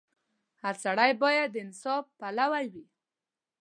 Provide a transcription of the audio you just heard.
• هر سړی باید د انصاف پلوی وي.